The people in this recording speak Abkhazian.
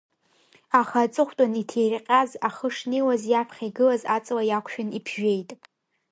Аха аҵыхәтәан иҭирҟьаз ахы шнеиуаз иаԥхьа игылаз аҵла иақәшәан иԥжәеит.